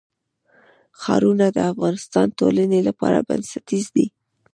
ښارونه د افغانستان د ټولنې لپاره بنسټیز دي.